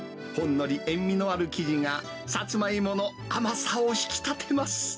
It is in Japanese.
ほんのり塩味のある生地が、サツマイモの甘さを引き立てます。